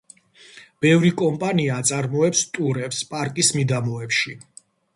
ბევრი კომპანია აწარმოებს ტურებს პარკის მიდამოებში.